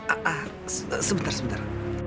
ah ah sebentar sebentar